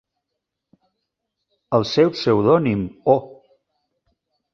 El seu pseudònim Oh!